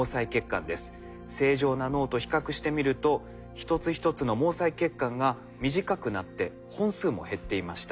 正常な脳と比較してみると一つ一つの毛細血管が短くなって本数も減っていました。